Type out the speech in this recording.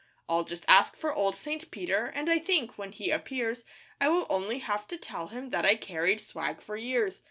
I'll just ask for old St. Peter, And I think, when he appears, I will only have to tell him That I carried swag for years.